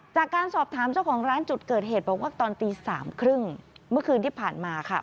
จากการสอบถามเจ้าของร้านจุดเกิดเหตุบอกว่าตอนตี๓๓๐เมื่อคืนที่ผ่านมาค่ะ